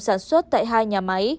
sản xuất tại hai nhà máy